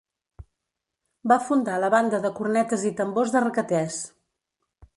Va fundar la Banda de Cornetes i Tambors de Requetès.